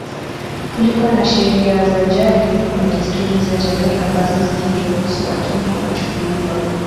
Kulikuwa na sheria za jadi na desturi za jamii ambazo ziliruhusu watumwa kuchukuliwa